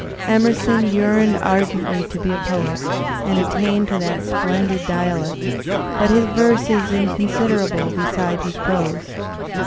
Emerson yearned ardently to be a poet and attain to "that splendid dialect," but his verse is inconsiderable beside his prose.